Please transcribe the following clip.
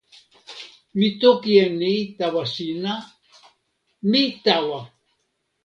mi toki e ni tawa sina: mi tawa.